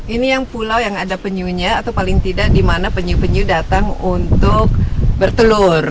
ini yang pulau yang ada penyunya atau paling tidak di mana penyu penyu datang untuk bertelur